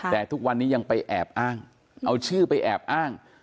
แต่ทุกวันนี้ยังไปแอบอ้างเอาชื่อไปแอบอ้าง